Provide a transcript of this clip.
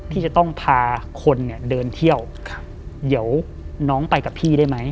ที่จะต้องพาคนเนี่ยเดินเที่ยวเดี๋ยวน้องไปกับพี่ได้ไหม